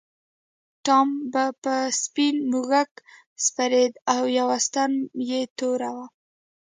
ټام به په سپین موږک سپرېده او یوه ستن یې توره وه.